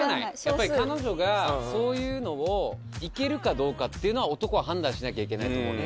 やっぱり彼女がそういうのをいけるかどうかっていうのは男は判断しなきゃいけないと思う。